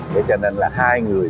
thế cho nên là hai người